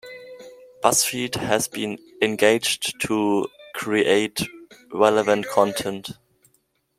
BuzzFeed has been engaged to create relevant content.